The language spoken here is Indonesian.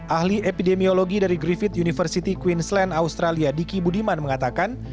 ahli epidemiologi dari griffith university queensland australia diki budiman mengatakan